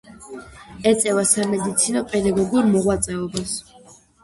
ეწევა სამეცნიერო-პედაგოგიურ მოღვაწეობას.